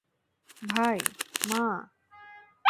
ভাই - মা?